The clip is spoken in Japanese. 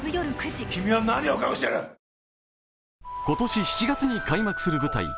今年７月に開幕する舞台